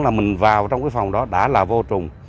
là mình vào trong cái phòng đó đã là vô trùng